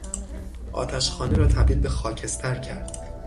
آتش خانه را تبدیل به خاکستر کرد.